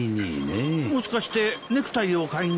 もしかしてネクタイを買いに？